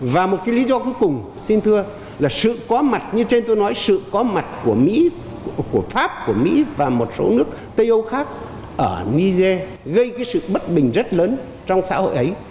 và một cái lý do cuối cùng xin thưa là sự có mặt như trên tôi nói sự có mặt của mỹ của pháp của mỹ và một số nước tây âu khác ở niger gây cái sự bất bình rất lớn trong xã hội ấy